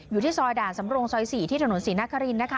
อยู่ที่ซอยด่านสำรงซอย๔ที่ถนนศรีนครินนะคะ